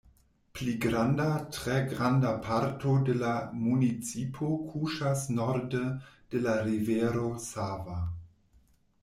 Pli granda, tre granda parto de la municipo kuŝas norde de la Rivero Sava.